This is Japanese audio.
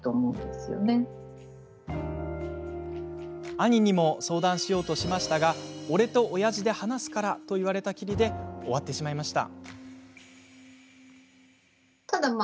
兄にも相談しようとしましたが俺とおやじで話すからと言われたきりで終わってしまいました。